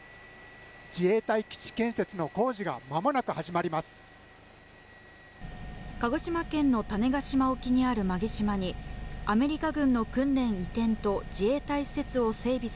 自衛隊基地建設の工事がまもなく始まります。